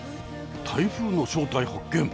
台風の正体発見！